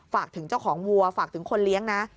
ฝากถึงเจ้าของวัวฝากถึงคนเลี้ยงนะ